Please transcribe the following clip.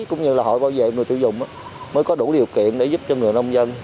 cũng như là hội bảo vệ người tiêu dùng mới có đủ điều kiện để giúp cho người nông dân